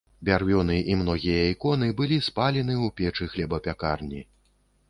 Бярвёны і многія іконы былі спалены ў печы хлебапякарні.